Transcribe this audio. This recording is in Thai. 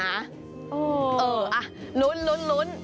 เอออ่ะลุ้น